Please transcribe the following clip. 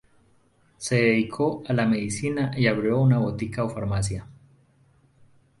Se dedicó a la medicina y abrió una botica o farmacia.